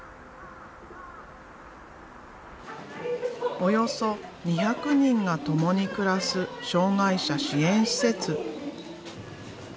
およそ２００人がともに暮らす障害者支援施設。